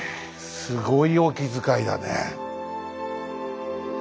すごいお気遣いだね。